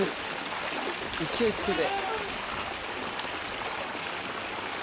勢いつけて。